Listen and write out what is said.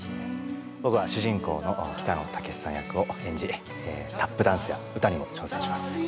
僕は主人公の北野武さん役を演じタップダンスや歌にも挑戦します